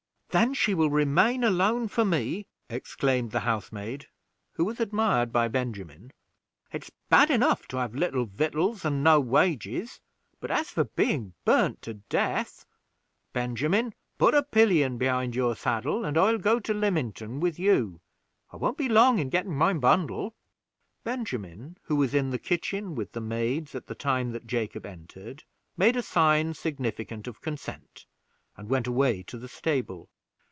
"Then she will remain alone, for me," exclaimed the housemaid, who was admired by Benjamin. "Its bad enough to have little victuals and no wages, but as for being burned to death Benjamin, put a pillion behind your saddle, and I'll go to Lymington with you. I won't be long in getting my bundle." Benjamin, who was in the kitchen with the maids at the time that Jacob entered, made a sign significant of consent, and went away to the stable.